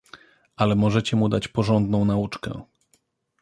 "Ale możecie mu dać porządną nauczkę."